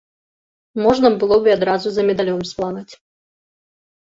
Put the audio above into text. Можна было б і адразу за медалём сплаваць.